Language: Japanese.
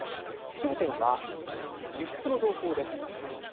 焦点は輸出の動向です。